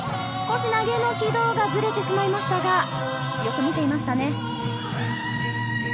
投げの軌道がずれてしまいましたが、よく見ていましたね。